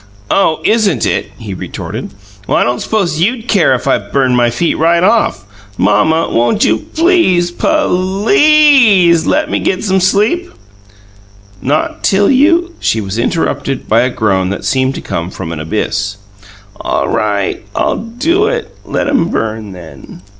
"Oh, isn't it?" he retorted. "I don't s'pose you'd care if I burned my feet right off! Mamma, won't you please, pul LEEZE let me get some sleep?" "Not till you " She was interrupted by a groan that seemed to come from an abyss. "All right, I'll do it! Let 'em burn, then!"